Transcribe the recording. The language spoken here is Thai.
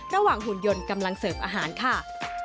หุ่นยนต์กำลังเสิร์ฟอาหารค่ะ